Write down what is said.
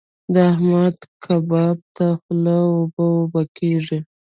د احمد کباب ته خوله اوبه اوبه کېږي.